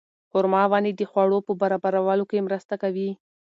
خورما ونې د خواړو په برابرولو کې مرسته کوي.